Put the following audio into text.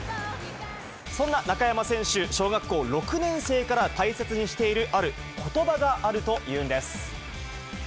そんな中山選手、小学校６年生から大切にしている、あることばがあるというんです。